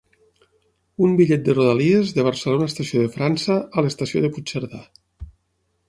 Un bitllet de Rodalies de Barcelona Estació de França a l'estació de Puigcerdà.